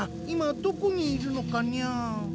今どこにいるのかにゃ？